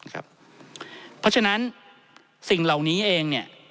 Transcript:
เพราะฉะนั้นสิ่งเหล่านี้เองเนี่ย